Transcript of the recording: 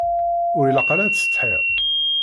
Ur ilaq ara ad tessetḥiḍ.